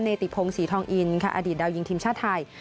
ติพงศรีทองอินค่ะอดีตดาวยิงทีมชาติไทย